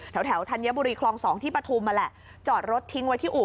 แถวธัญบุรีคลอง๒ที่ปฐุมนั่นแหละจอดรถทิ้งไว้ที่อู่